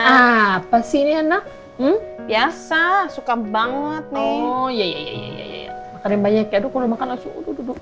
apa sih ini anak hmm biasa suka banget nih makanya banyak ya dulu makan langsung duduk